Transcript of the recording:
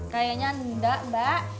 kayaknya enggak mbak